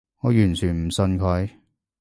我完全唔信佢